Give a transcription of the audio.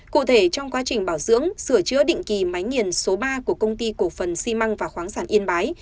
cụ thể trong quá trình bảo dưỡng sửa chữa định kỳ máy nghiền số ba của công ty cổ phần xi măng và khoáng sản yên bái